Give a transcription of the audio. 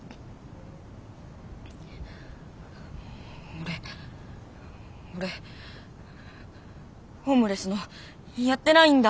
俺俺ホームレスのやってないんだ！